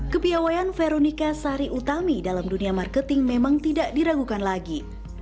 kepiawayan veronica sari utami dalam dunia marketing memang tidak diragukan lagi